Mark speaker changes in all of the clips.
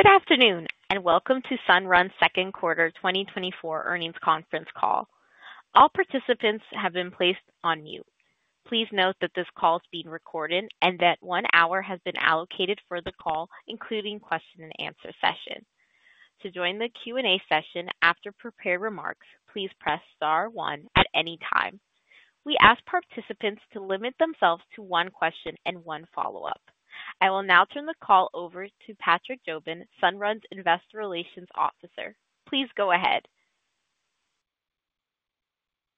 Speaker 1: Good afternoon, and welcome to Sunrun Second Quarter 2024 earnings conference call. All participants have been placed on mute. Please note that this call is being recorded and that one hour has been allocated for the call, including question-and-answer sessions. To join the Q&A session after prepared remarks, please press star one at any time. We ask participants to limit themselves to one question and one follow-up. I will now turn the call over to Patrick Jobin, Sunrun's Investor Relations Officer. Please go ahead.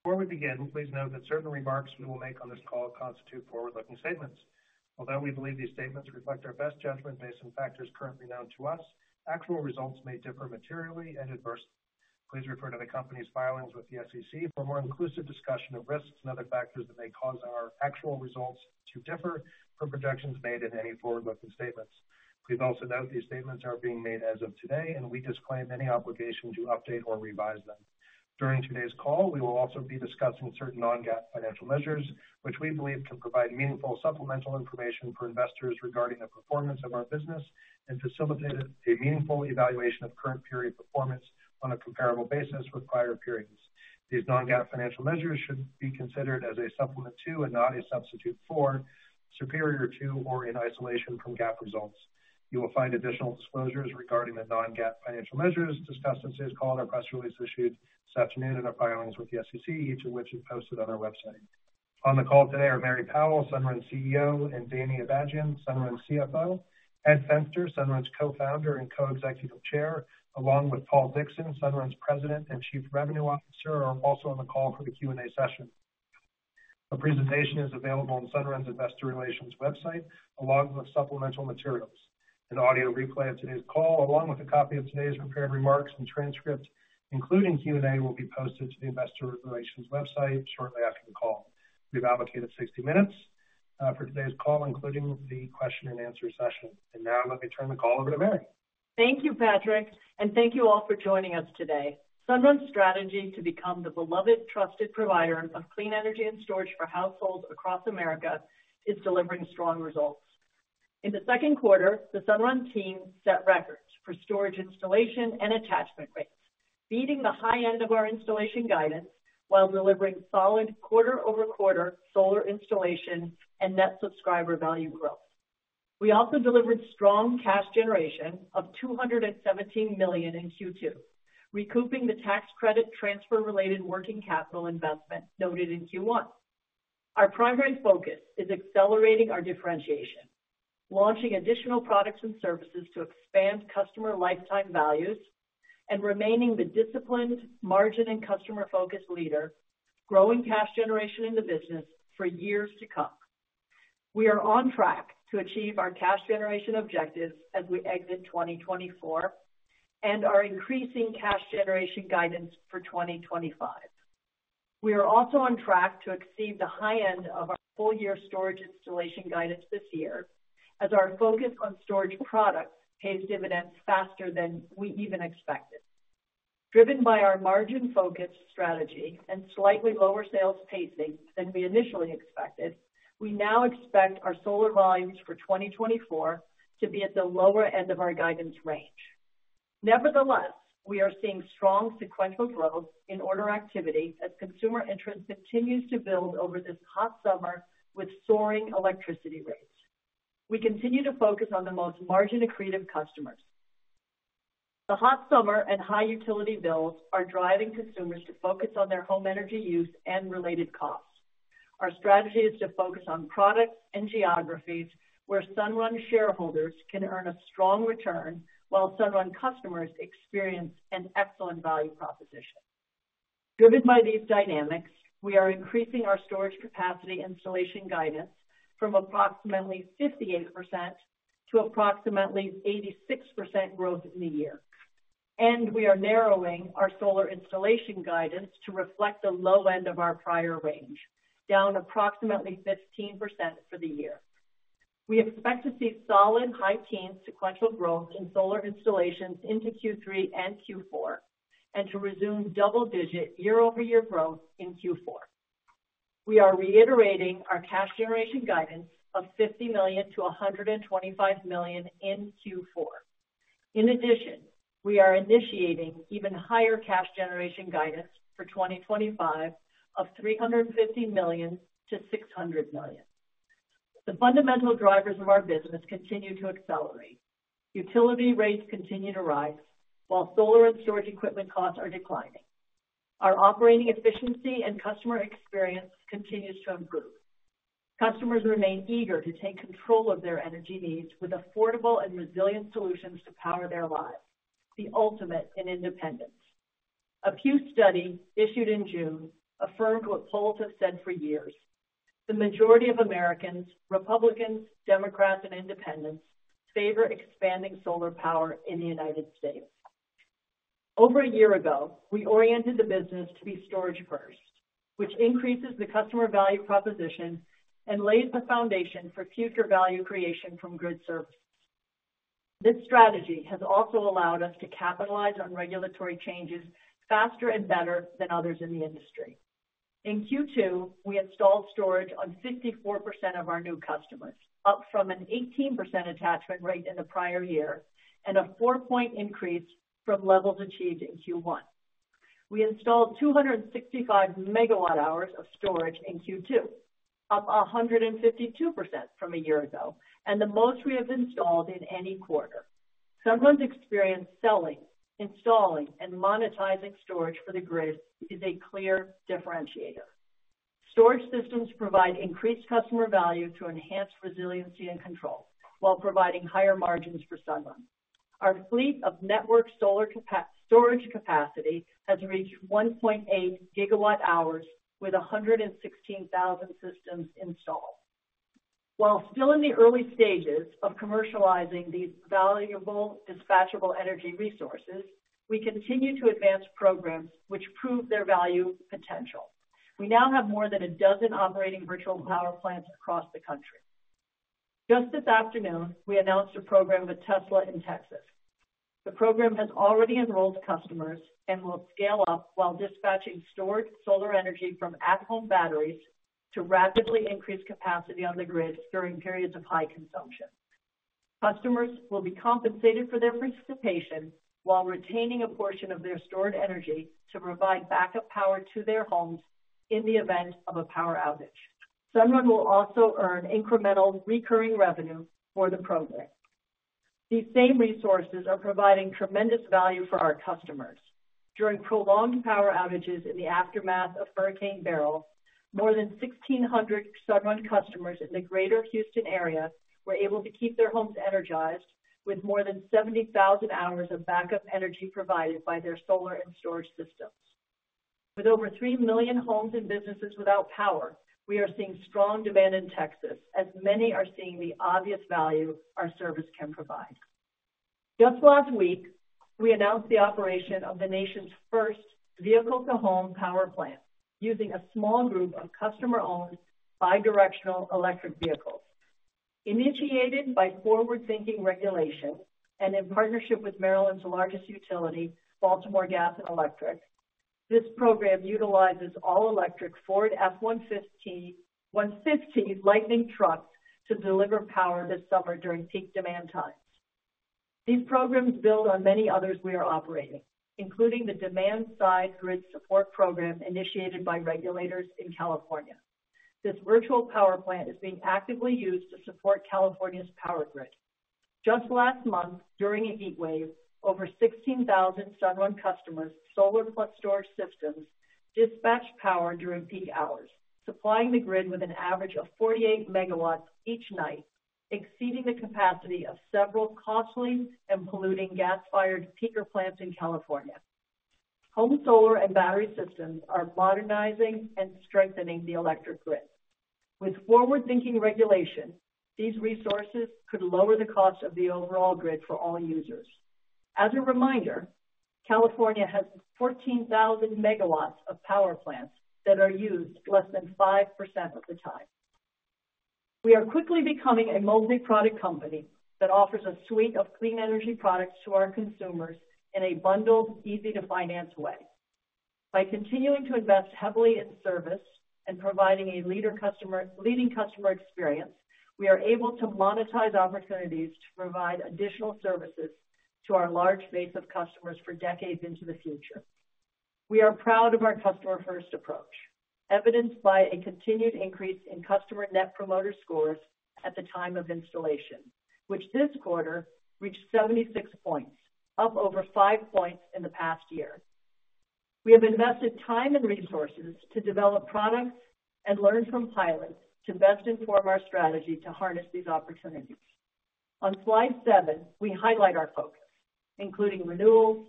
Speaker 2: Before we begin, please note that certain remarks we will make on this call constitute forward-looking statements. Although we believe these statements reflect our best judgment based on factors currently known to us, actual results may differ materially and adversely. Please refer to the company's filings with the SEC for a more inclusive discussion of risks and other factors that may cause our actual results to differ from projections made in any forward-looking statements. Please also note these statements are being made as of today, and we disclaim any obligation to update or revise them. During today's call, we will also be discussing certain non-GAAP financial measures, which we believe can provide meaningful supplemental information for investors regarding the performance of our business and facilitate a meaningful evaluation of current period performance on a comparable basis with prior periods. These non-GAAP financial measures should be considered as a supplement to and not a substitute for, superior to, or in isolation from GAAP results. You will find additional disclosures regarding the non-GAAP financial measures discussed in today's call and our press release issued this afternoon in our filings with the SEC, each of which is posted on our website. On the call today are Mary Powell, Sunrun CEO, and Danny Abajian, Sunrun CFO. Ed Fenster, Sunrun's Co-Founder and Co-Executive Chair, along with Paul Dickson, Sunrun's President and Chief Revenue Officer, are also on the call for the Q&A session. The presentation is available on Sunrun's Investor Relations website, along with supplemental materials. An audio replay of today's call, along with a copy of today's prepared remarks and transcript, including Q&A, will be posted to the Investor Relations website shortly after the call. We've allocated 60 minutes for today's call, including the question-and-answer session. Now let me turn the call over to Mary.
Speaker 3: Thank you, Patrick, and thank you all for joining us today. Sunrun's strategy to become the beloved, trusted provider of clean energy and storage for households across America is delivering strong results. In the second quarter, the Sunrun team set records for storage installation and attachment rates, beating the high end of our installation guidance while delivering solid quarter-over-quarter solar installation and net subscriber value growth. We also delivered strong cash generation of $217 million in Q2, recouping the tax credit transfer-related working capital investment noted in Q1. Our primary focus is accelerating our differentiation, launching additional products and services to expand customer lifetime values, and remaining the disciplined, margin, and customer-focused leader, growing cash generation in the business for years to come. We are on track to achieve our cash generation objectives as we exit 2024 and our increasing cash generation guidance for 2025. We are also on track to exceed the high end of our full-year storage installation guidance this year as our focus on storage products pays dividends faster than we even expected. Driven by our margin-focused strategy and slightly lower sales pacing than we initially expected, we now expect our solar volumes for 2024 to be at the lower end of our guidance range. Nevertheless, we are seeing strong sequential growth in order activity as consumer interest continues to build over this hot summer with soaring electricity rates. We continue to focus on the most margin-accretive customers. The hot summer and high utility bills are driving consumers to focus on their home energy use and related costs. Our strategy is to focus on products and geographies where Sunrun shareholders can earn a strong return while Sunrun customers experience an excellent value proposition. Driven by these dynamics, we are increasing our storage capacity installation guidance from approximately 58%-86% growth in the year. We are narrowing our solar installation guidance to reflect the low end of our prior range, down approximately 15% for the year. We expect to see solid high-teens sequential growth in solar installations into Q3 and Q4 and to resume double-digit year-over-year growth in Q4. We are reiterating our cash generation guidance of $50 million-$125 million in Q4. In addition, we are initiating even higher cash generation guidance for 2025 of $350 million-$600 million. The fundamental drivers of our business continue to accelerate. Utility rates continue to rise while solar and storage equipment costs are declining. Our operating efficiency and customer experience continues to improve. Customers remain eager to take control of their energy needs with affordable and resilient solutions to power their lives, the ultimate in independence. A Pew study issued in June affirmed what polls have said for years. The majority of Americans, Republicans, Democrats, and independents, favor expanding solar power in the United States. Over a year ago, we oriented the business to be storage-first, which increases the customer value proposition and lays the foundation for future value creation from good services. This strategy has also allowed us to capitalize on regulatory changes faster and better than others in the industry. In Q2, we installed storage on 54% of our new customers, up from an 18% attachment rate in the prior year and a 4-point increase from levels achieved in Q1. We installed 265 Megawatt-hours of storage in Q2, up 152% from a year ago, and the most we have installed in any quarter. Sunrun's experience selling, installing, and monetizing storage for the grid is a clear differentiator. Storage systems provide increased customer value to enhance resiliency and control while providing higher margins for Sunrun. Our fleet of network storage capacity has reached 1.8 gigawatt-hours with 116,000 systems installed. While still in the early stages of commercializing these valuable dispatchable energy resources, we continue to advance programs which prove their value potential. We now have more than a dozen operating virtual power plants across the country. Just this afternoon, we announced a program with Tesla in Texas. The program has already enrolled customers and will scale up while dispatching stored solar energy from at-home batteries to rapidly increase capacity on the grid during periods of high consumption. Customers will be compensated for their participation while retaining a portion of their stored energy to provide backup power to their homes in the event of a power outage. Sunrun will also earn incremental recurring revenue for the program. These same resources are providing tremendous value for our customers. During prolonged power outages in the aftermath of Hurricane Beryl, more than 1,600 Sunrun customers in the Greater Houston area were able to keep their homes energized with more than 70,000 hours of backup energy provided by their solar and storage systems. With over 3 million homes and businesses without power, we are seeing strong demand in Texas as many are seeing the obvious value our service can provide. Just last week, we announced the operation of the nation's first vehicle-to-home power plant using a small group of customer-owned bi-directional electric vehicles. Initiated by forward-thinking regulation and in partnership with Maryland's largest utility, Baltimore Gas and Electric, this program utilizes all-electric Ford F-150 Lightning trucks to deliver power this summer during peak demand times. These programs build on many others we are operating, including the Demand Side Grid Support Program initiated by regulators in California. This virtual power plant is being actively used to support California's power grid. Just last month, during a heat wave, over 16,000 Sunrun customers' solar-plus storage systems dispatched power during peak hours, supplying the grid with an average of 48 MW each night, exceeding the capacity of several costly and polluting gas-fired peaker plants in California. Home solar and battery systems are modernizing and strengthening the electric grid. With forward-thinking regulation, these resources could lower the cost of the overall grid for all users. As a reminder, California has 14,000 megawatts of power plants that are used less than 5% of the time. We are quickly becoming a multi-product company that offers a suite of clean energy products to our consumers in a bundled, easy-to-finance way. By continuing to invest heavily in service and providing a leader customer leading customer experience, we are able to monetize opportunities to provide additional services to our large base of customers for decades into the future. We are proud of our customer-first approach, evidenced by a continued increase in customer net promoter scores at the time of installation, which this quarter reached 76 points, up over five points in the past year. We have invested time and resources to develop products and learn from pilots to best inform our strategy to harness these opportunities. On slide 7, we highlight our focus, including renewals,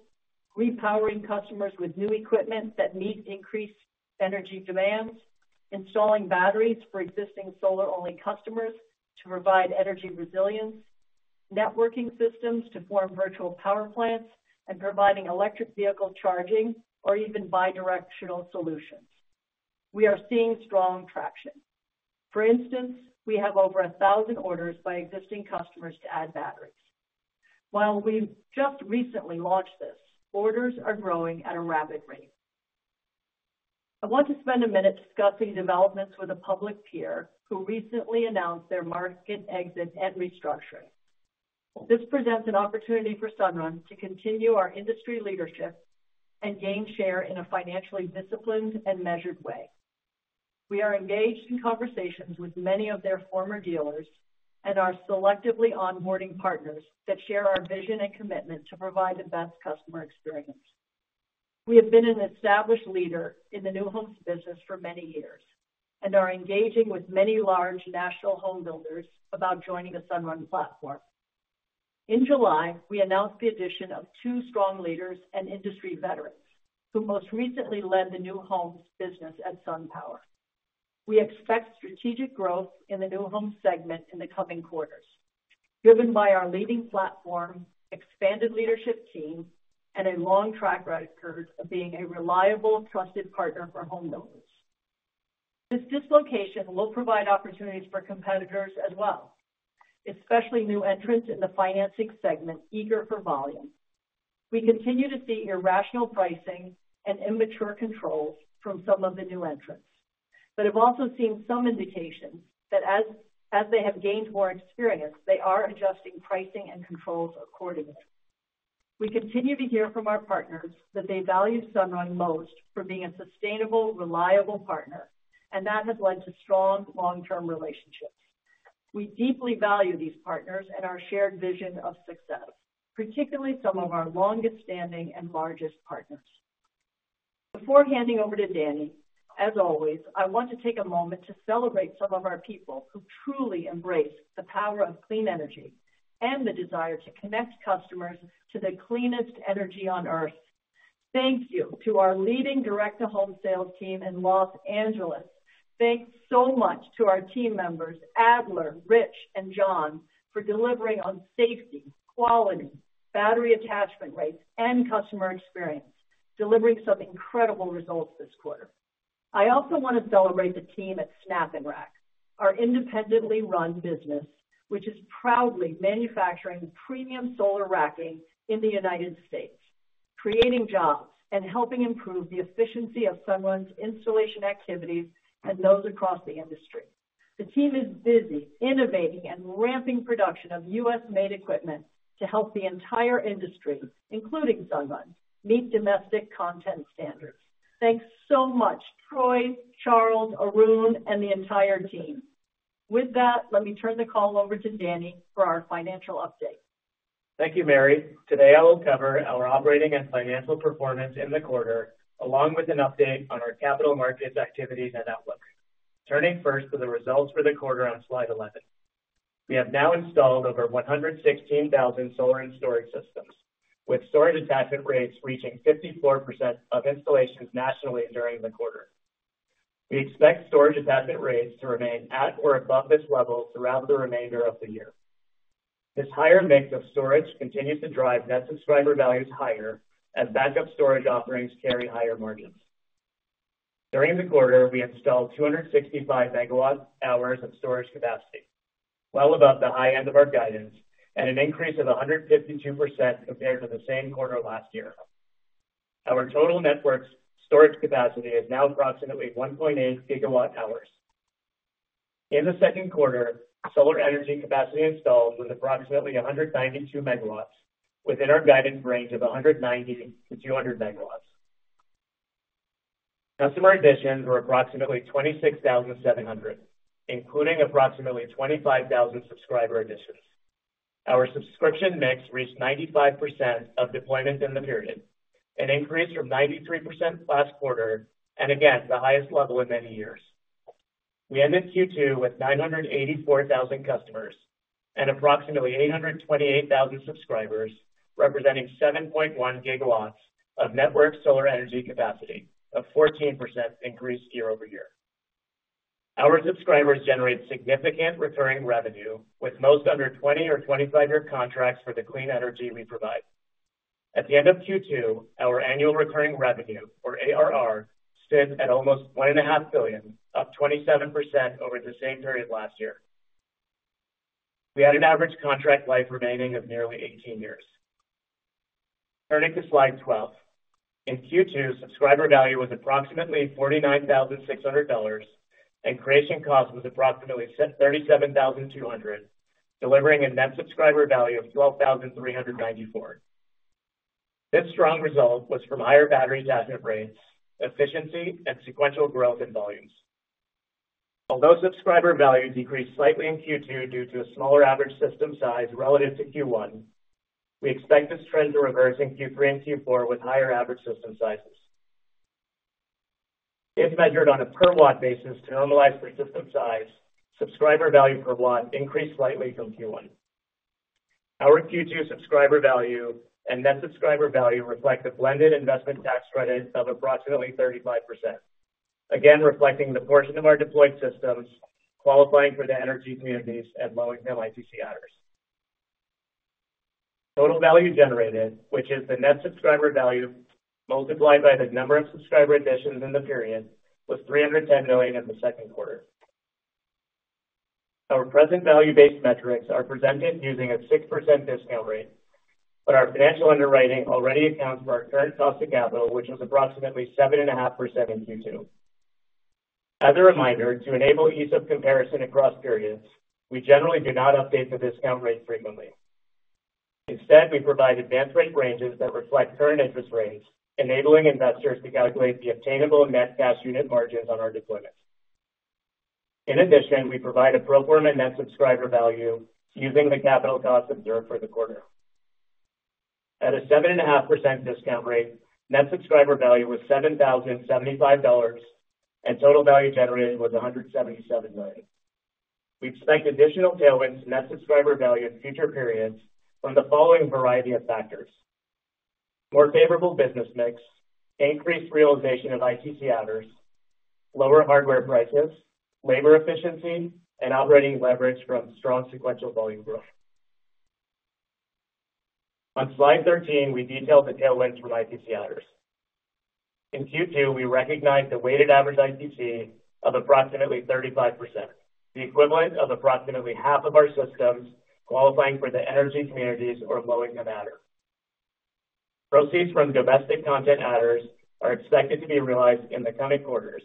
Speaker 3: repowering customers with new equipment that meet increased energy demands, installing batteries for existing solar-only customers to provide energy resilience, networking systems to form virtual power plants, and providing electric vehicle charging or even bi-directional solutions. We are seeing strong traction. For instance, we have over 1,000 orders by existing customers to add batteries. While we just recently launched this, orders are growing at a rapid rate. I want to spend a minute discussing developments with a public peer who recently announced their market exit and restructuring. This presents an opportunity for Sunrun to continue our industry leadership and gain share in a financially disciplined and measured way. We are engaged in conversations with many of their former dealers and are selectively onboarding partners that share our vision and commitment to provide the best customer experience. We have been an established leader in the new homes business for many years and are engaging with many large national home builders about joining the Sunrun platform. In July, we announced the addition of two strong leaders and industry veterans who most recently led the new homes business at SunPower. We expect strategic growth in the new homes segment in the coming quarters, driven by our leading platform, expanded leadership team, and a long track record of being a reliable, trusted partner for home builders. This dislocation will provide opportunities for competitors as well, especially new entrants in the financing segment eager for volume. We continue to see irrational pricing and immature controls from some of the new entrants, but have also seen some indications that as they have gained more experience, they are adjusting pricing and controls accordingly. We continue to hear from our partners that they value Sunrun most for being a sustainable, reliable partner, and that has led to strong long-term relationships. We deeply value these partners and our shared vision of success, particularly some of our longest-standing and largest partners. Before handing over to Danny, as always, I want to take a moment to celebrate some of our people who truly embrace the power of clean energy and the desire to connect customers to the cleanest energy on Earth. Thank you to our leading direct-to-home sales team in Los Angeles. Thanks so much to our team members, Adler, Rich, and John, for delivering on safety, quality, battery attachment rates, and customer experience, delivering some incredible results this quarter. I also want to celebrate the team at SnapNrack, our independently run business, which is proudly manufacturing premium solar racking in the United States, creating jobs and helping improve the efficiency of Sunrun's installation activities and those across the industry. The team is busy innovating and ramping production of U.S.-made equipment to help the entire industry, including Sunrun, meet domestic content standards. Thanks so much, Troy, Charles, Arun, and the entire team. With that, let me turn the call over to Danny for our financial update.
Speaker 4: Thank you, Mary. Today, I will cover our operating and financial performance in the quarter, along with an update on our capital markets activities and outlook. Turning first to the results for the quarter on slide 11, we have now installed over 116,000 solar and storage systems, with storage attachment rates reaching 54% of installations nationally during the quarter. We expect storage attachment rates to remain at or above this level throughout the remainder of the year. This higher mix of storage continues to drive net subscriber values higher as backup storage offerings carry higher margins. During the quarter, we installed 265 megawatt-hours of storage capacity, well above the high end of our guidance and an increase of 152% compared to the same quarter last year. Our total network storage capacity is now approximately 1.8 gigawatt-hours. In the second quarter, solar energy capacity installed was approximately 192 megawatts, within our guidance range of 190-200 megawatts. Customer additions were approximately 26,700, including approximately 25,000 subscriber additions. Our subscription mix reached 95% of deployments in the period, an increase from 93% last quarter and again the highest level in many years. We ended Q2 with 984,000 customers and approximately 828,000 subscribers, representing 7.1 gigawatts of network solar energy capacity, a 14% increase year-over-year. Our subscribers generate significant recurring revenue, with most under 20- or 25-year contracts for the clean energy we provide. At the end of Q2, our annual recurring revenue, or ARR, stood at almost $1.5 billion, up 27% over the same period last year. We had an average contract life remaining of nearly 18 years. Turning to slide 12, in Q2, subscriber value was approximately $49,600 and creation cost was approximately $37,200, delivering a net subscriber value of $12,394. This strong result was from higher battery attachment rates, efficiency, and sequential growth in volumes. Although subscriber value decreased slightly in Q2 due to a smaller average system size relative to Q1, we expect this trend to reverse in Q3 and Q4 with higher average system sizes. If measured on a per-watt basis to normalize for system size, subscriber value per watt increased slightly from Q1. Our Q2 subscriber value and net subscriber value reflect a blended investment tax credit of approximately 35%, again reflecting the portion of our deployed systems qualifying for the energy communities and low-income ITC adders. Total value generated, which is the net subscriber value multiplied by the number of subscriber additions in the period, was $310 million in the second quarter. Our present value-based metrics are presented using a 6% discount rate, but our financial underwriting already accounts for our current cost of capital, which was approximately 7.5% in Q2. As a reminder, to enable ease of comparison across periods, we generally do not update the discount rate frequently. Instead, we provide advanced rate ranges that reflect current interest rates, enabling investors to calculate the obtainable net cash unit margins on our deployments. In addition, we provide a pro forma net subscriber value using the capital cost observed for the quarter. At a 7.5% discount rate, net subscriber value was $7,075 and total value generated was $177 million. We expect additional tailwinds to net subscriber value in future periods from the following variety of factors: more favorable business mix, increased realization of ITC adders, lower hardware prices, labor efficiency, and operating leverage from strong sequential volume growth. On slide 13, we detail the tailwinds from ITC adders. In Q2, we recognize the weighted average ITC of approximately 35%, the equivalent of approximately half of our systems qualifying for the energy communities or low-income adder. Proceeds from domestic content adders are expected to be realized in the coming quarters,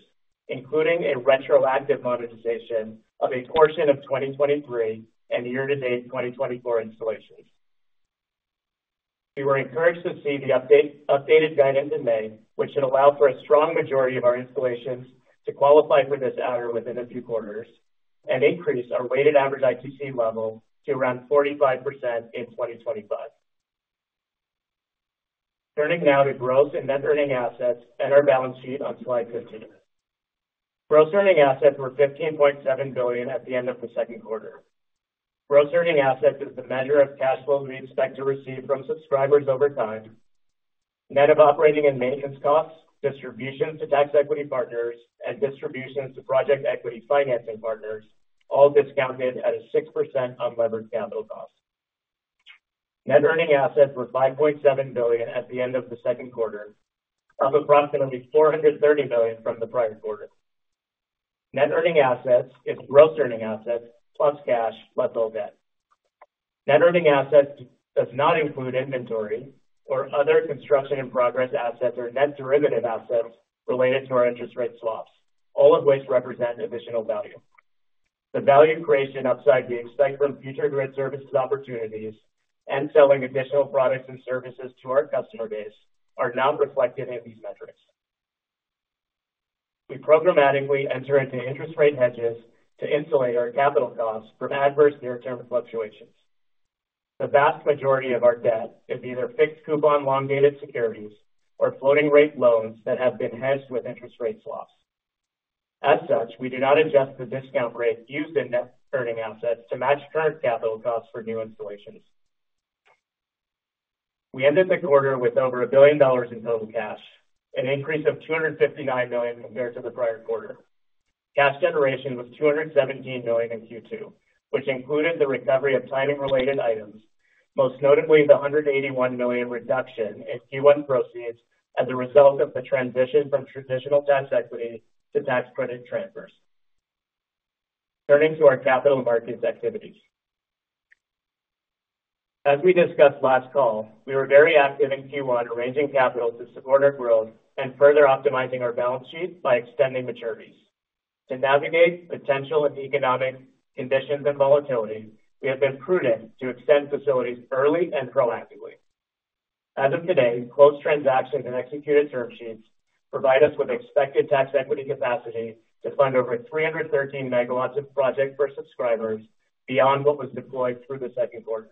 Speaker 4: including a retroactive monetization of a portion of 2023 and year-to-date 2024 installations. We were encouraged to see the updated guidance in May, which should allow for a strong majority of our installations to qualify for this adders within a few quarters and increase our weighted average ITC level to around 45% in 2025. Turning now to Gross Earning Assets and net earning assets and our balance sheet on slide 15. Gross Earning Assets were $15.7 billion at the end of the second quarter. Gross Earning Assets is the measure of cash flow we expect to receive from subscribers over time, net of operating and maintenance costs, distributions to tax equity partners, and distributions to project equity financing partners, all discounted at a 6% unlevered capital cost. Net Earning Assets were $5.7 billion at the end of the second quarter, up approximately $430 million from the prior quarter. Net Earning Assets is Gross Earning Assets plus cash less debt. Net Earning Assets does not include inventory or other construction in progress assets or net derivative assets related to our interest rate swaps, all of which represent additional value. The value creation outside we expect from future grid services opportunities and selling additional products and services to our customer base are not reflected in these metrics. We programmatically enter into interest rate hedges to insulate our capital costs from adverse near-term fluctuations. The vast majority of our debt is either fixed coupon long-dated securities or floating-rate loans that have been hedged with interest rate swaps. As such, we do not adjust the discount rate used in Net Earning Assets to match current capital costs for new installations. We ended the quarter with over $1 billion in total cash, an increase of $259 million compared to the prior quarter. Cash generation was $217 million in Q2, which included the recovery of timing-related items, most notably the $181 million reduction in Q1 proceeds as a result of the transition from traditional tax equity to tax credit transfers. Turning to our capital markets activities. As we discussed last call, we were very active in Q1 arranging capital to support our growth and further optimizing our balance sheet by extending maturities. To navigate potential and economic conditions and volatility, we have been prudent to extend facilities early and proactively. As of today, closed transactions and executed term sheets provide us with expected tax equity capacity to fund over 313 megawatts of project for subscribers beyond what was deployed through the second quarter.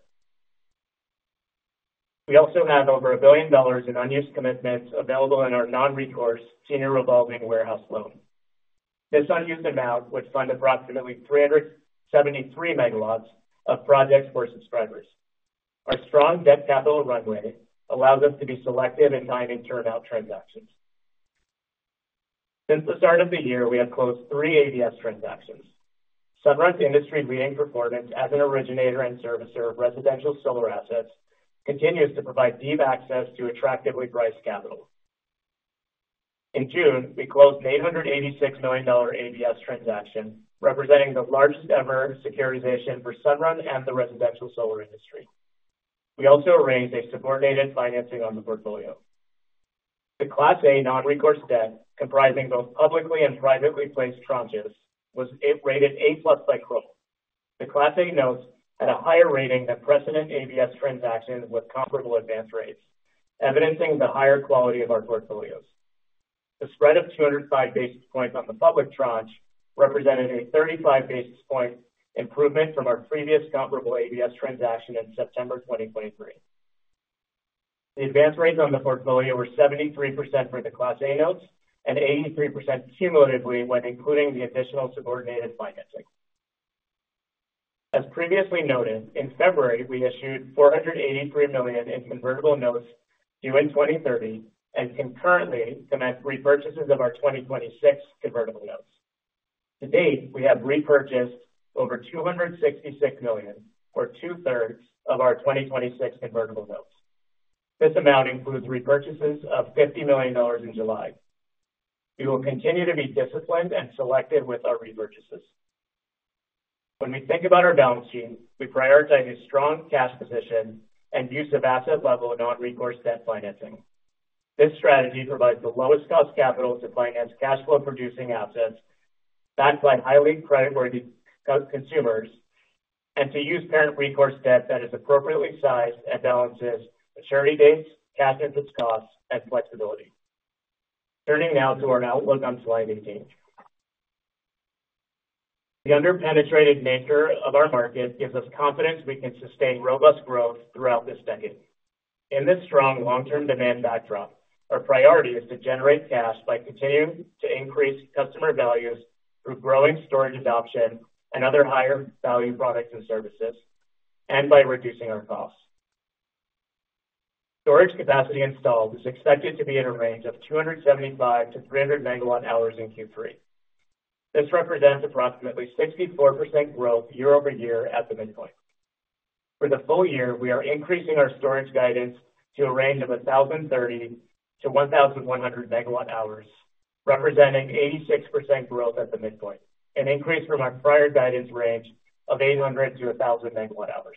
Speaker 4: We also have over $1 billion in unused commitments available in our non-recourse senior revolving warehouse loan. This unused amount would fund approximately 373 MW of projects for subscribers. Our strong debt capital runway allows us to be selective in timing term-out transactions. Since the start of the year, we have closed three ABS transactions. Sunrun's industry-leading performance as an originator and servicer of residential solar assets continues to provide deep access to attractively priced capital. In June, we closed an $886 million ABS transaction representing the largest ever securitization for Sunrun and the residential solar industry. We also arranged a subordinated financing on the portfolio. The Class A non-recourse debt, comprising both publicly and privately placed tranches, was rated A plus by Kroll. The Class A notes had a higher rating than precedent ABS transactions with comparable advance rates, evidencing the higher quality of our portfolios. The spread of 205 basis points on the public tranche represented a 35 basis point improvement from our previous comparable AVS transaction in September 2023. The advance rates on the portfolio were 73% for the Class A notes and 83% cumulatively when including the additional subordinated financing. As previously noted, in February, we issued $483 million in convertible notes due in 2030 and concurrently commenced repurchases of our 2026 convertible notes. To date, we have repurchased over $266 million, or two-thirds of our 2026 convertible notes. This amount includes repurchases of $50 million in July. We will continue to be disciplined and selective with our repurchases. When we think about our balance sheet, we prioritize a strong cash position and use of asset-level non-recourse debt financing. This strategy provides the lowest cost capital to finance cash flow-producing assets backed by highly creditworthy consumers and to use parent recourse debt that is appropriately sized and balances maturity dates, cash interest costs, and flexibility. Turning now to our outlook on slide 18. The under-penetrated nature of our market gives us confidence we can sustain robust growth throughout this decade. In this strong long-term demand backdrop, our priority is to generate cash by continuing to increase customer values through growing storage adoption and other higher value products and services, and by reducing our costs. Storage capacity installed is expected to be in a range of 275-300 Megawatt-hours in Q3. This represents approximately 64% growth year-over-year at the midpoint. For the full year, we are increasing our storage guidance to a range of 1,030-1,100 megawatt-hours, representing 86% growth at the midpoint, an increase from our prior guidance range of 800-1,000 megawatt-hours.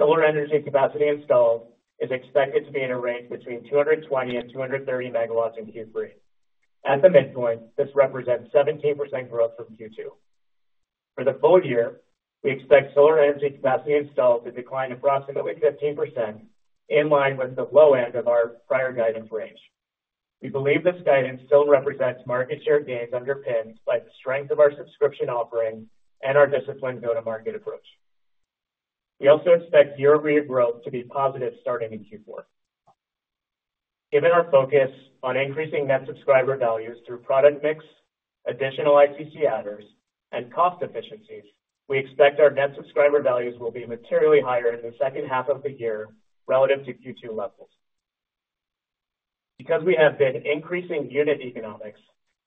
Speaker 4: Solar energy capacity installed is expected to be in a range between 220 and 230 megawatts in Q3. At the midpoint, this represents 17% growth from Q2. For the full year, we expect solar energy capacity installed to decline approximately 15% in line with the low end of our prior guidance range. We believe this guidance still represents market share gains underpinned by the strength of our subscription offering and our disciplined go-to-market approach. We also expect year-over-year growth to be positive starting in Q4. Given our focus on increasing net subscriber values through product mix, additional ITC adders, and cost efficiencies, we expect our net subscriber values will be materially higher in the second half of the year relative to Q2 levels. Because we have been increasing unit economics,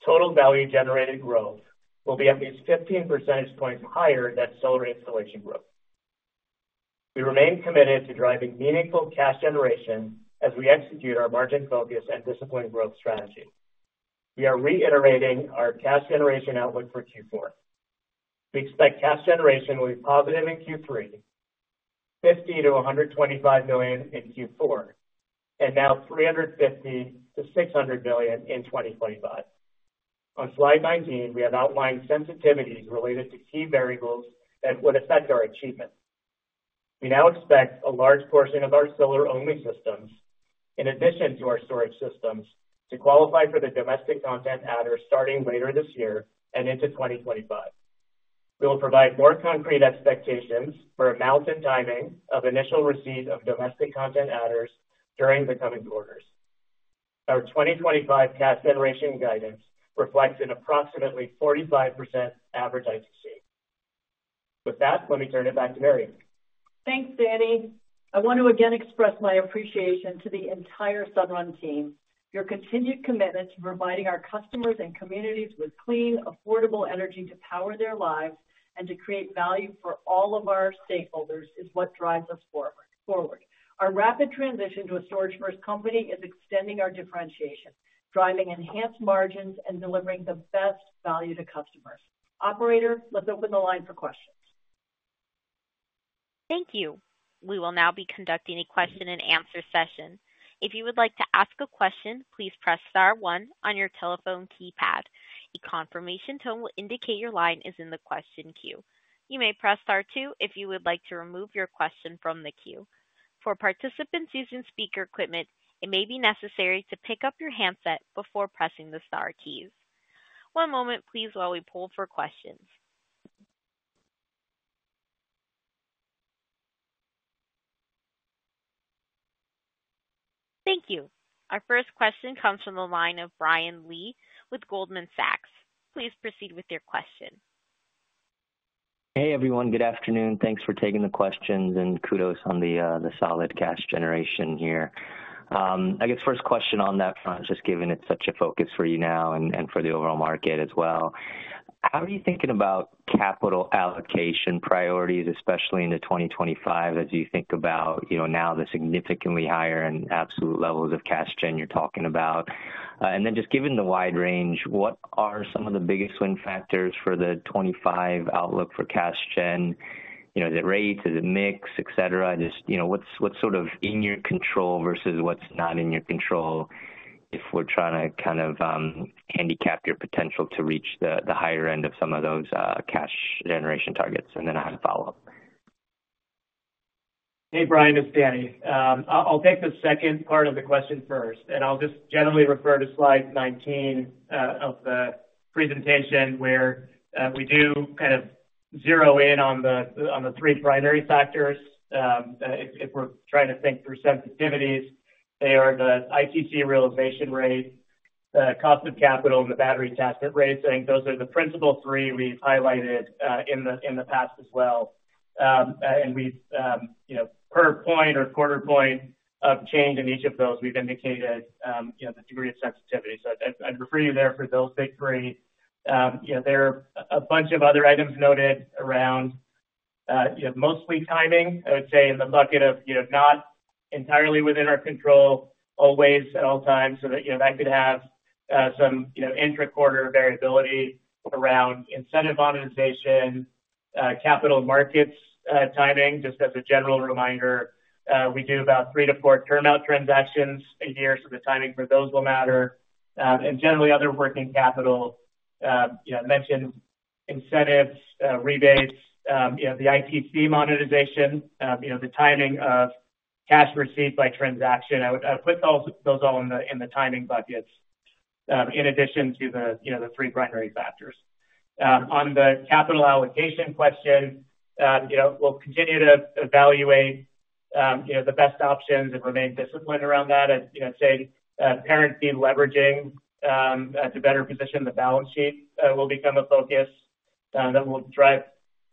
Speaker 4: total value-generated growth will be at least 15 percentage points higher than solar installation growth. We remain committed to driving meaningful cash generation as we execute our margin focus and discipline growth strategy. We are reiterating our cash generation outlook for Q4. We expect cash generation will be positive in Q3, $50 million-$125 million in Q4, and now $350 million-$600 million in 2025. On slide 19, we have outlined sensitivities related to key variables that would affect our achievement. We now expect a large portion of our solar-only systems, in addition to our storage systems, to qualify for the domestic content adders starting later this year and into 2025. We will provide more concrete expectations for amounts and timing of initial receipt of domestic content adders during the coming quarters. Our 2025 cash generation guidance reflects an approximately 45% average ITC. With that, let me turn it back to Mary. Thanks, Danny. I want to again express my appreciation to the entire Sunrun team. Your continued commitment to providing our customers and communities with clean, affordable energy to power their lives and to create value for all of our stakeholders is what drives us forward. Our rapid transition to a storage-first company is extending our differentiation, driving enhanced margins and delivering the best value to customers. Operator, let's open the line for questions. Thank you.
Speaker 1: We will now be conducting a question-and-answer session. If you would like to ask a question, please press star one on your telephone keypad. A confirmation tone will indicate your line is in the question queue. You may press star two if you would like to remove your question from the queue. For participants using speaker equipment, it may be necessary to pick up your handset before pressing the star keys. One moment, please, while we pull for questions. Thank you. Our first question comes from the line of Brian Lee with Goldman Sachs. Please proceed with your question.
Speaker 5: Hey, everyone. Good afternoon. Thanks for taking the questions and kudos on the solid cash generation here. I guess first question on that front, just given it's such a focus for you now and for the overall market as well. How are you thinking about capital allocation priorities, especially into 2025, as you think about now the significantly higher and absolute levels of cash gen you're talking about? And then just given the wide range, what are some of the biggest win factors for the 2025 outlook for cash gen? Is it rates? Is it mix? Et cetera? Just what's sort of in your control versus what's not in your control if we're trying to kind of handicap your potential to reach the higher end of some of those cash generation targets? And then I have a follow-up.
Speaker 3: Hey, Brian, it's Danny. I'll take the second part of the question first. And I'll just generally refer to slide 19 of the presentation where we do kind of zero in on the three primary factors. If we're trying to think through sensitivities, they are the ITC realization rate, the cost of capital, and the battery attachment rating. Those are the principal three we've highlighted in the past as well. And per point or quarter point of change in each of those, we've indicated the degree of sensitivity. So I'd refer you there for those big three. There are a bunch of other items noted around mostly timing, I would say, in the bucket of not entirely within our control always at all times so that could have some intra-quarter variability around incentive monetization, capital markets timing. Just as a general reminder, we do about 3-4 turnout transactions a year, so the timing for those will matter. And generally, other working capital, I mentioned incentives, rebates, the ITC monetization, the timing of cash receipt by transaction. I put those all in the timing buckets in addition to the three primary factors. On the capital allocation question, we'll continue to evaluate the best options and remain disciplined around that. I'd say parent-themed leveraging to better position the balance sheet will become a focus that will drive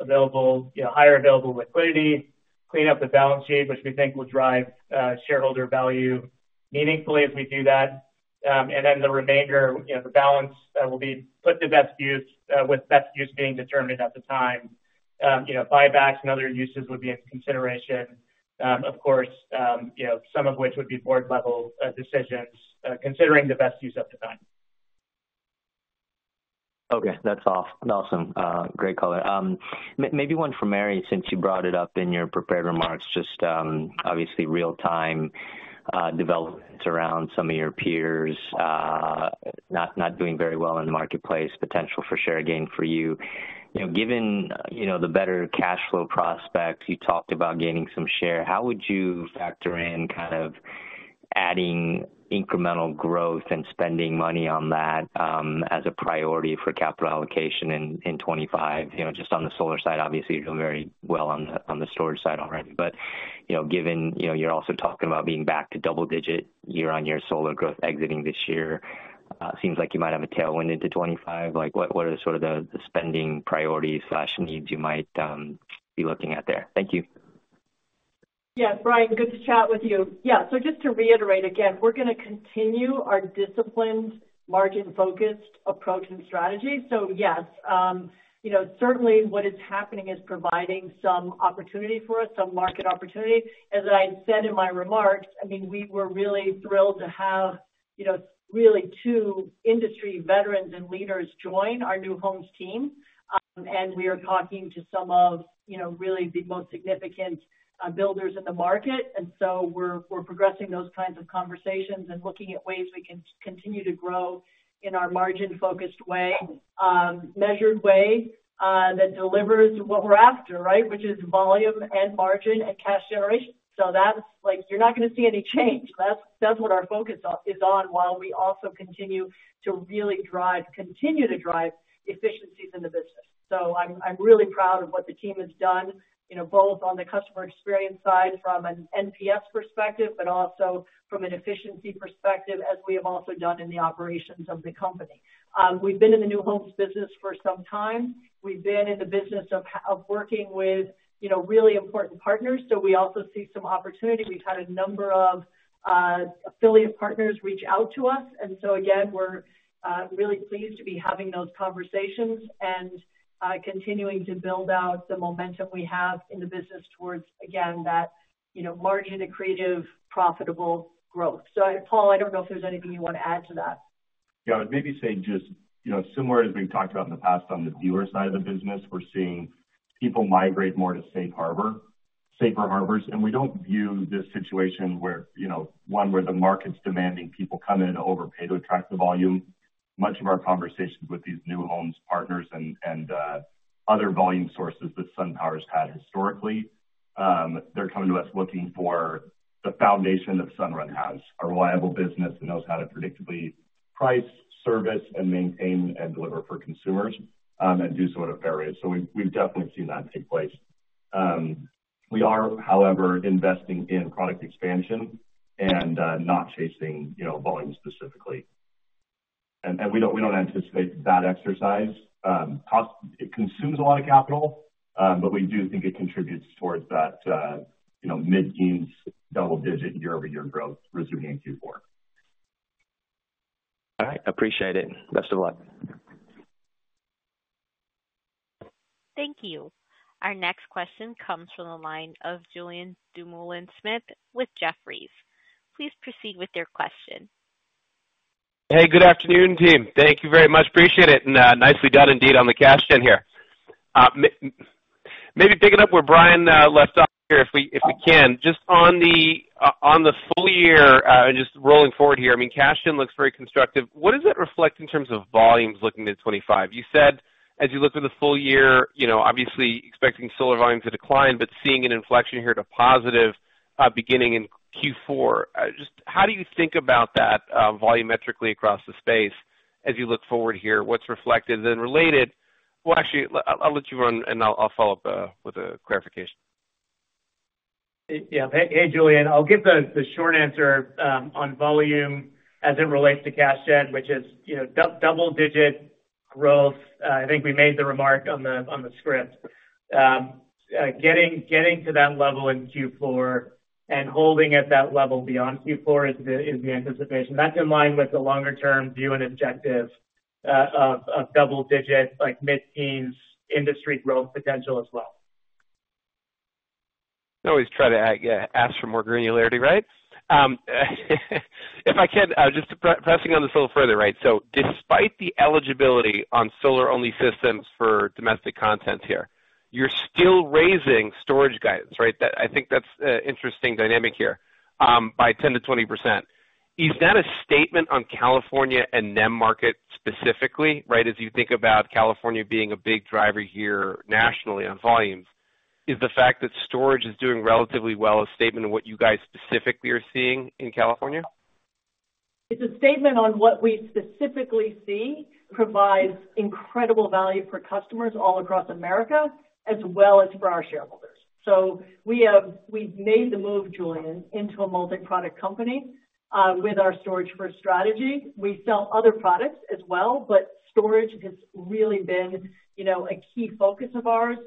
Speaker 3: higher available liquidity, clean up the balance sheet, which we think will drive shareholder value meaningfully as we do that. And then the remainder, the balance will be put to best use with best use being determined at the time. Buybacks and other uses would be in consideration, of course, some of which would be board-level decisions considering the best use of the time.
Speaker 5: Okay. That's awesome. Great caller. Maybe one for Mary, since you brought it up in your prepared remarks, just obviously real-time developments around some of your peers not doing very well in the marketplace, potential for share gain for you. Given the better cash flow prospects, you talked about gaining some share. How would you factor in kind of adding incremental growth and spending money on that as a priority for capital allocation in 2025? Just on the solar side, obviously, you're doing very well on the storage side already. But given you're also talking about being back to double-digit year-on-year solar growth exiting this year, it seems like you might have a tailwind into 2025. What are sort of the spending priorities/needs you might be looking at there? Thank you.
Speaker 3: Yeah, Brian, good to chat with you. Yeah. So just to reiterate again, we're going to continue our disciplined, margin-focused approach and strategy. So yes, certainly what is happening is providing some opportunity for us, some market opportunity. As I said in my remarks, I mean, we were really thrilled to have really two industry veterans and leaders join our new homes team. We are talking to some of really the most significant builders in the market. So we're progressing those kinds of conversations and looking at ways we can continue to grow in our margin-focused way, measured way that delivers what we're after, right, which is volume and margin and cash generation. So you're not going to see any change. That's what our focus is on while we also continue to really drive, continue to drive efficiencies in the business. So, I'm really proud of what the team has done, both on the customer experience side from an NPS perspective, but also from an efficiency perspective, as we have also done in the operations of the company. We've been in the new homes business for some time. We've been in the business of working with really important partners. So we also see some opportunity. We've had a number of affiliate partners reach out to us. And so again, we're really pleased to be having those conversations and continuing to build out the momentum we have in the business towards, again, that margin-accretive profitable growth. So Paul, I don't know if there's anything you want to add to that.
Speaker 2: Yeah. I'd maybe say just similar as we've talked about in the past on the dealer side of the business, we're seeing people migrate m ore to safer harbors. We don't view this situation where the market's demanding people come in to overpay to attract the volume. Much of our conversations with these new homes partners and other volume sources that SunPower has had historically, they're coming to us looking for the foundation that Sunrun has, a reliable business that knows how to predictably price, service, and maintain, and deliver for consumers, and do sort of varies. So we've definitely seen that take place. We are, however, investing in product expansion and not chasing volume specifically. And we don't anticipate that exercise. It consumes a lot of capital, but we do think it contributes towards that mid-teens double-digit year-over-year growth resuming in Q4.
Speaker 5: All right. Appreciate it. Best of luck. Thank you.
Speaker 1: Our next question comes from the line of Julian Dumoulin-Smith with Jefferies. Please proceed with your question .
Speaker 6: Hey, good afternoon, team. Thank you very much. Appreciate it. And nicely done indeed on the cash gen here. Maybe pick it up where Brian left off here if we can. Just on the full year and just rolling forward here, I mean, cash gen looks very constructive. What does that reflect in terms of volumes looking into 2025? You said, as you look for the full year, obviously expecting solar volumes to decline, but seeing an inflection here to positive beginning in Q4. Just how do you think about that volumetrically across the space as you look forward here? What's reflected and related? Well, actually, I'll let you run and I'll follow up with a clarification.
Speaker 4: Yeah. Hey, Julian. I'll give the short answer on volume as it relates to cash gen, which is double-digit growth. I think we made the remark on the script. Getting to that level in Q4 and holding at that level beyond Q4 is the anticipation. That's in line with the longer-term view and objective of double-digit, like mid-teens industry growth potential as well.
Speaker 6: I always try to ask for more granularity, right? If I can, just pressing on this a little further, right? So despite the eligibility on solar-only systems for domestic content here, you're still raising storage guidance, right? I think that's an interesting dynamic here by 10%-20%. Is that a statement on California and NEM market specifically, right? As you think about California being a big driver here nationally on volumes, is the fact that storage is doing relatively well a statement of what you guys specifically are seeing in California?
Speaker 3: It's a statement on what we specifically see provides incredible value for customers all across America as well as for our shareholders. So we've made the move, Julian, into a multi-product company with our storage-first strategy. We sell other products as well, but storage has really been a key focus of ours,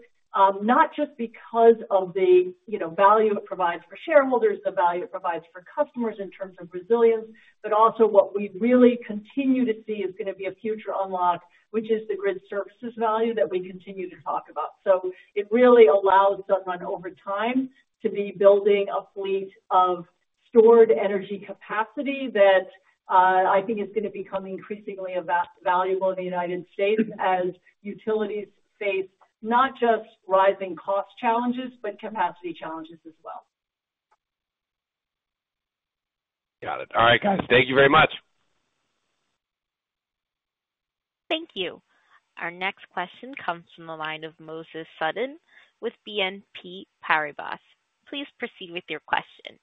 Speaker 3: not just because of the value it provides for shareholders, the value it provides for customers in terms of resilience, but also what we really continue to see is going to be a future unlock, which is the grid services value that we continue to talk about. So it really allows Sunrun over time to be building a fleet of stored energy capacity that I think is going to become increasingly valuable in the United States as utilities face not just rising cost challenges, but capacity challenges as well.
Speaker 6: Got it. All right, guys. Thank you very much.
Speaker 1: Thank you. Our next question comes from the line of Moses Sutton with BNP Paribas. Please proceed with your question.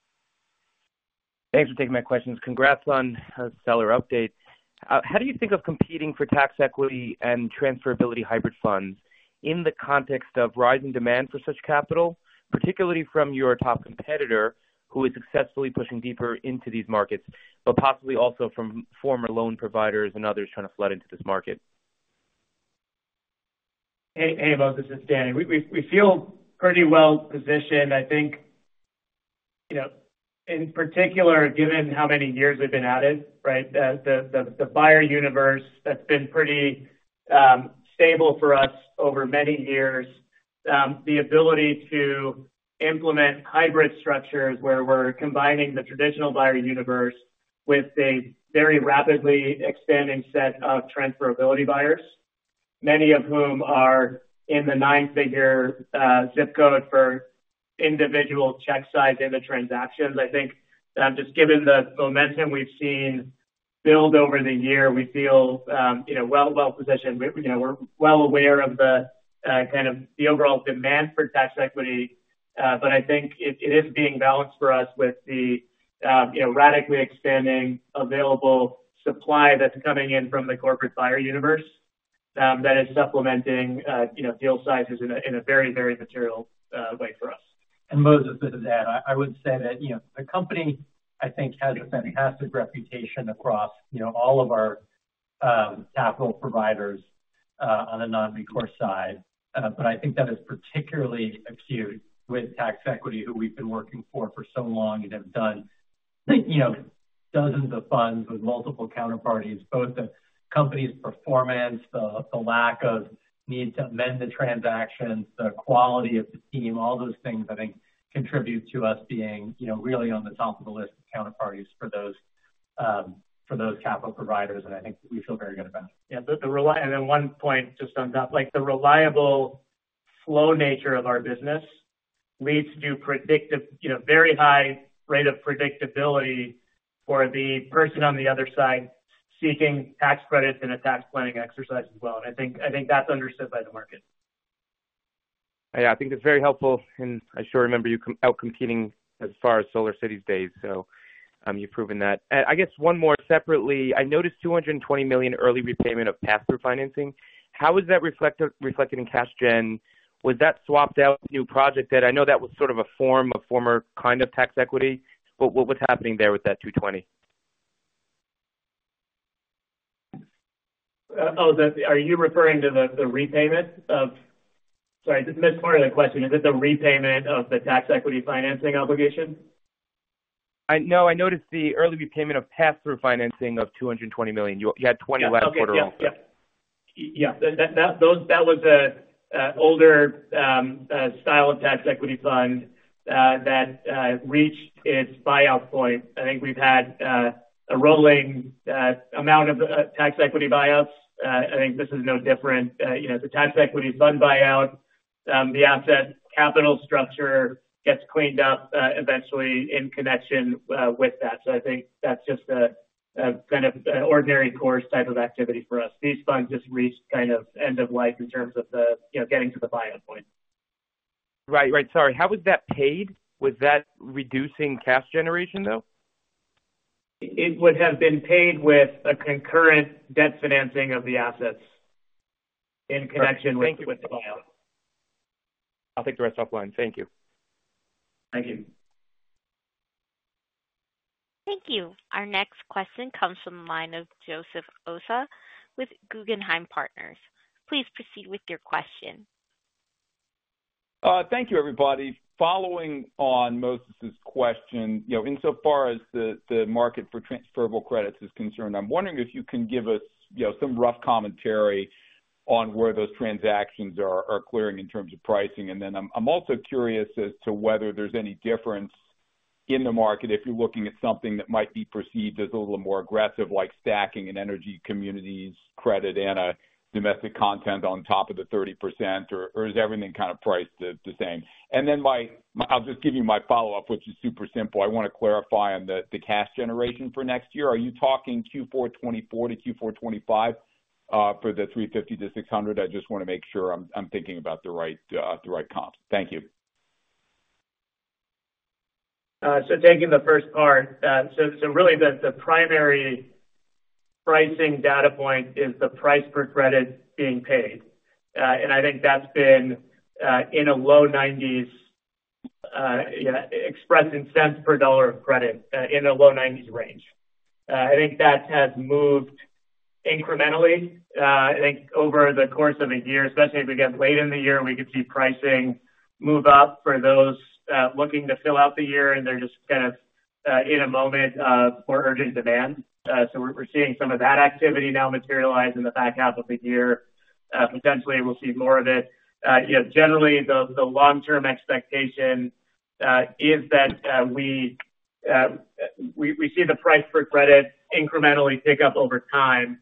Speaker 7: Thanks for taking my questions. Congrats on a stellar update. How do you think of competing for tax equity and transferability hybrid funds in the context of rising demand for such capital, particularly from your top competitor who is successfully pushing deeper into these markets, but possibly also from former loan providers and others trying to flood into this market? Hey, everyone.
Speaker 4: This is Danny. We feel pretty well-positioned. I think, in particular, given how many years we've been added, right, the buyer universe that's been pretty stable for us over many years, the ability to implement hybrid structures where we're combining the traditional buyer universe with a very rapidly expanding set of transferability buyers, many of whom are in the nine-figure zip code for individual check size in the transactions. I think just given the momentum we've seen build over the year, we feel well-positioned. We're well aware of kind of the overall demand for tax equity. But I think it is being balanced for us with the radically expanding available supply that's coming in from the corporate buyer universe that is supplementing deal sizes in a very, very material way for us. And Moses, it's Danny. I would say that the company, I think, has a fantastic reputation across all of our capital providers on the non-recourse side. But I think that is particularly acute with tax equity, who we've been working for so long and have done dozens of funds with multiple counterparties, both the company's performance, the lack of need to amend the transactions, the quality of the team, all those things, I think, contribute to us being really on the top of the list of counterparties for those capital providers. And I think we feel very good about it. Yeah. And then one point just on top, like the reliable flow nature of our business leads to very high rate of predictability for the person on the other side seeking tax credits in a tax planning exercise as well. And I think that's understood by the market.
Speaker 7: Yeah. I think it's very helpful. And I sure remember you outcompeting as far as SolarCity's days. So you've proven that. I guess one more separately, I noticed $220 million early repayment of pass-through financing. How was that reflected in cash gen? Was that swapped out with new projects? I know that was sort of a form of former kind of tax equity. But what was happening there with that $220 million?
Speaker 4: Are you referring to the repayment of—sorry, I just missed part of the question. Is it the repayment of the tax equity financing obligation? No.
Speaker 7: I noticed the early repayment of pass-through financing of $220 million. You had $20 million last quarter also.
Speaker 4: Yeah. That was an older style of tax equity fund that reached its buyout point. I think we've had a rolling amount of tax equity buyouts. I think this is no different. The tax equity fund buyout, the asset capital structure gets cleaned up eventually in connection with that. So I think that's just a kind of ordinary course type of activity for us. These funds just reached kind of end of life in terms of getting to the buyout point.
Speaker 7: Right. Right. Sorry. How was that paid? Was that reducing cash generation, though?
Speaker 4: It would have been paid with a concurrent debt financing of the assets in connection with the buyout.
Speaker 7: I'll take the rest offline. Thank you. Thank you.
Speaker 1: Thank you. Our next question comes from the line of Joseph Osha with Guggenheim Securities. Please proceed with your question.
Speaker 8: Thank you, everybody. Following on Moses's question, insofar as the market for transferable credits is concerned, I'm wondering if you can give us some rough commentary on where those transactions are clearing in terms of pricing. And then I'm also curious as to whether there's any difference in the market if you're looking at something that might be perceived as a little more aggressive, like stacking an energy communities credit and a domestic content on top of the 30%, or is everything kind of priced the same? And then I'll just give you my follow-up, which is super simple. I want to clarify on the cash generation for next year. Are you talking Q4 2024 to Q4 2025 for the $350-$600? I just want to make sure I'm thinking about the right comps. Thank you.
Speaker 4: So taking the first part, so really the primary pricing data point is the price per credit being paid. And I think that's been in a low 90s, expressed in cents per dollar of credit, in a low 90s range. I think that has moved incrementally. I think over the course of a year, especially if we get late in the year, we could see pricing move up for those looking to fill out the year, and they're just kind of in a moment of more urgent demand. So we're seeing some of that activity now materialize in the back half of the year. Potentially, we'll see more of it. Generally, the long-term expectation is that we see the price per credit incrementally pick up over time,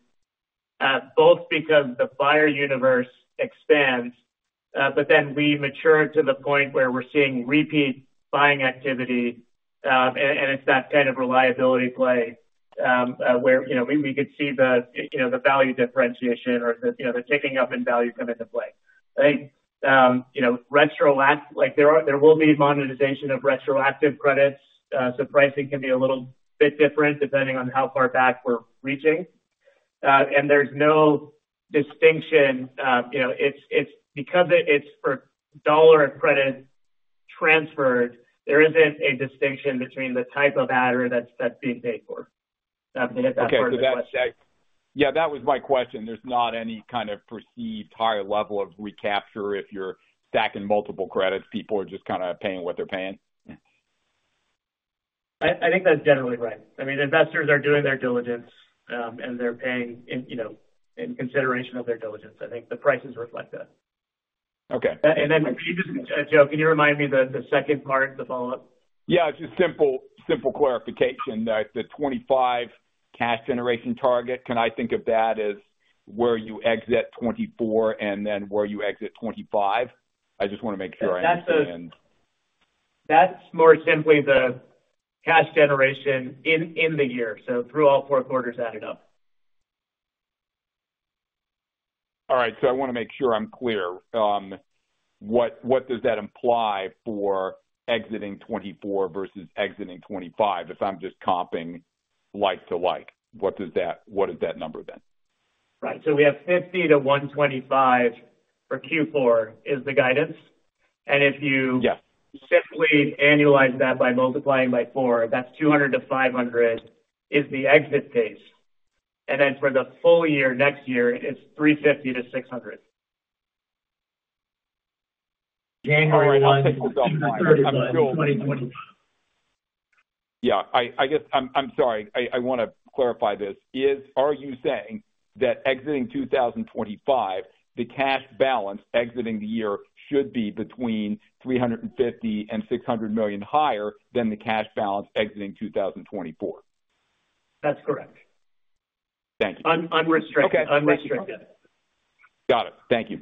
Speaker 4: both because the buyer universe expands, but then we mature to the point where we're seeing repeat buying activity. And it's that kind of reliability play where we could see the value differentiation or the ticking up in value come into play. I think there will be monetization of retroactive credits. So pricing can be a little bit different depending on how far back we're reaching. And there's no distinction. It's because it's for dollar of credit transferred, there isn't a distinction between the type of adder that's being paid for. Did I answer that question?
Speaker 8: Yeah, that was my question. There's not any kind of perceived higher level of recapture if you're stacking multiple credits. People are just kind of paying what they're paying.
Speaker 4: I think that's generally right. I mean, investors are doing their diligence, and they're paying in consideration of their diligence. I think the prices reflect that.
Speaker 8: Okay. And then just a joke. Can you remind me the second part of the follow-up? Yeah. Just simple clarification. The $25 cash generation target, can I think of that as where you exit 2024 and then where you exit 2025? I just want to make sure I understand.
Speaker 4: That's more simply the cash generation in the year, so through all four quarters added up.
Speaker 8: All right. So I want to make sure I'm clear. What does that imply for exiting 2024 versus exiting 2025? If I'm just comping like to like, what is that number then?
Speaker 4: Right. So we have $50-$125 for Q4 is the guidance. And if you simply annualize that by multiplying by 4, that's $200-$500 is the exit case. And then for the full year, next year, it's $350 million-$600 million. January 1, 2025. Yeah.
Speaker 8: I guess I'm sorry. I want to clarify this. Are you saying that exiting 2025, the cash balance exiting the year should be between $350 million and $600 million higher than the cash balance exiting 2024?
Speaker 1: That's correct. Thank you. Unrestricted. Unrestricted.
Speaker 8: Got it. Thank you.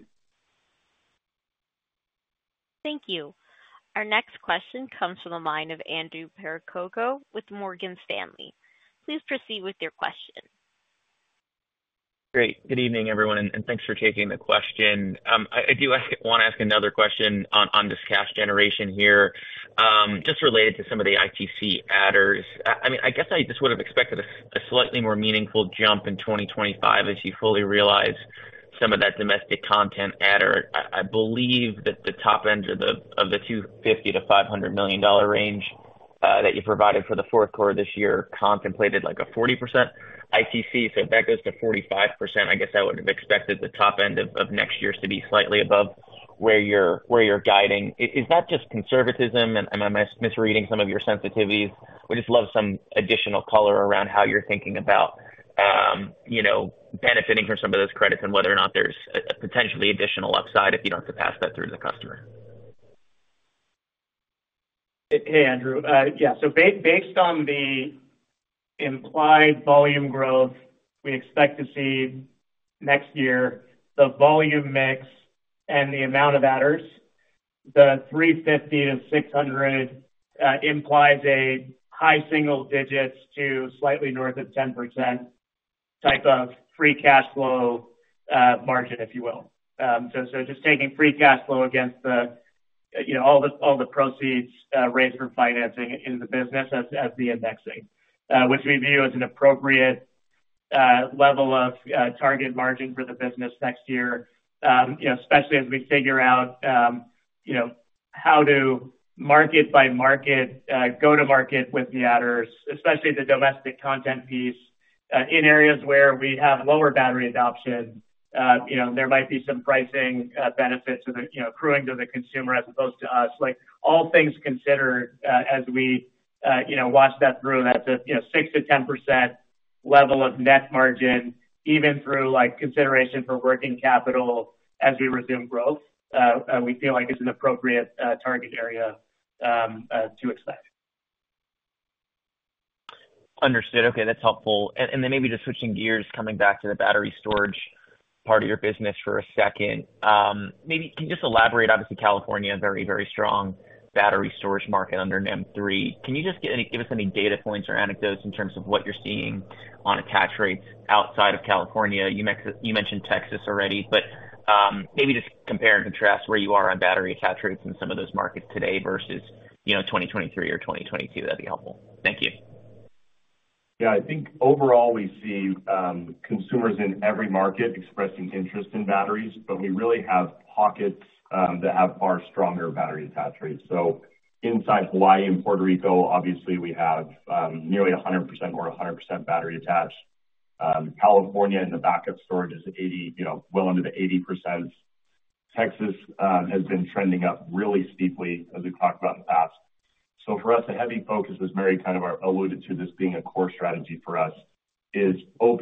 Speaker 1: Thank you. Our next question comes from the line of Andrew Percoco with Morgan Stanley. Please proceed with your question.
Speaker 9: Great. Good evening, everyone. And thanks for taking the question. I do want to ask another question on this cash generation here, just related to some of the ITC adders. I mean, I guess I just would have expected a slightly more meaningful jump in 2025 as you fully realize some of that domestic content adder. I believe that the top end of the $250 million-$500 million range that you provided for the fourth quarter this year contemplated like a 40% ITC. So if that goes to 45%, I guess I would have expected the top end of next year's to be slightly above where you're guiding. Is that just conservatism? Am I misreading some of your sensitivities? We just love some additional color around how you're thinking about benefiting from some of those credits and whether or not there's potentially additional upside if you don't have to pass that through to the customer.
Speaker 4: Hey, Andrew. Yeah. So based on the implied volume growth, we expect to see next year the volume mix and the amount of adders, the $350 million-$600 million implies a high single digits to slightly north of 10% type of free cash flow margin, if you will. So just taking free cash flow against all the proceeds raised from financing in the business as the indexing, which we view as an appropriate level of target margin for the business next year, especially as we figure out how to market by market, go to market with the adders, especially the domestic content piece in areas where we have lower battery adoption. There might be some pricing benefits accruing to the consumer as opposed to us. All things considered, as we watch that through, that's a 6%-10% level of net margin, even through consideration for working capital as we resume growth. We feel like it's an appropriate target area to expect.
Speaker 9: Understood. Okay. That's helpful. And then maybe just switching gears, coming back to the battery storage part of your business for a second. Maybe can you just elaborate? Obviously, California is a very, very strong battery storage market under NEM 3. Can you just give us any data points or anecdotes in terms of what you're seeing on attach rates outside of California? You mentioned Texas already, but maybe just compare and contrast where you are on battery attach rates in some of those markets today versus 2023 or 2022. That'd be helpful. Thank you.
Speaker 2: Yeah. I think overall, we see consumers in every market expressing interest in batteries, but we really have pockets that have far stronger battery attach rates. So inside Hawaii and Puerto Rico, obviously, we have nearly 100% or 100% battery attached. California in the backup storage is well under the 80%. Texas has been trending up really steeply, as we've talked about in the past. So for us, the heavy focus is very kind of alluded to this being a core strategy for us is open.